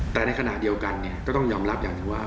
แต่ในขณะเดียวกันก็ต้องยอมรับอย่างหนึ่งว่า